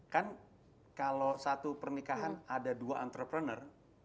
kan kalau satu pernikahan ada dua entrepreneur